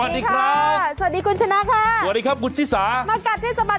ต่างครับคุณชะน้านะคะสวัสดีครับคุณชีสามากัดที่สะบัด